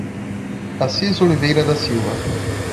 Assis Oliveira da Silva